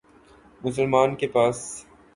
مسلمان کے پاس